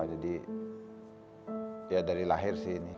jadi ya dari lahir sih ini